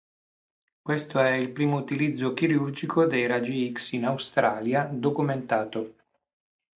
Questo è il primo utilizzo chirurgico dei raggi X in Australia documentato.